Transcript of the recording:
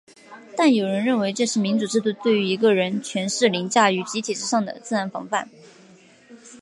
但有人认为这是民主制度对一个人权势凌驾于集体之上的自然防范。